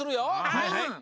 はいはい。